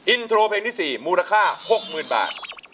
อินโทรเพลงที่๔มูลค่า๖๐๐๐บาท